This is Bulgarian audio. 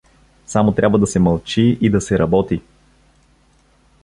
Само трябва да се мълчи и да се работи.